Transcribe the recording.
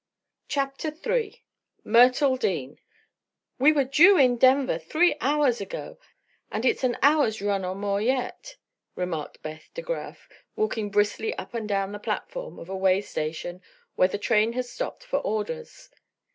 CHAPTER III MYRTLE DEAN "We were due in Denver three hours ago, and it's an hour's run or more yet," remarked Beth De Graf, walking briskly up and down the platform of a way station where the train had stopped for orders.